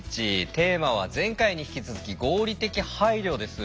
テーマは前回に引き続き「合理的配慮」です。